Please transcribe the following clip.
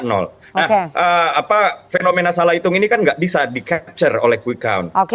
nah fenomena salah hitung ini kan tidak bisa di capture oleh kuikaun